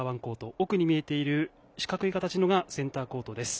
奥に見えている四角い形のものがセンターコートです。